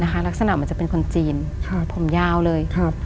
นะคะลักษณะมันจะเป็นคนจีนครับผมยาวเลยครับ